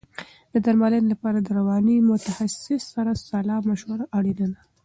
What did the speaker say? د درملنې لپاره د رواني متخصص سره سلا مشوره اړینه ده.